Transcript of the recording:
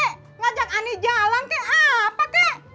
ngajak anies jalan kek apa kek